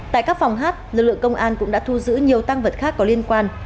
tại các phòng hát lực lượng công an cũng đã thu giữ nhiều tăng vật khác có liên quan